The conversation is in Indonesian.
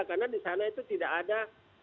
karena disana itu tidak ada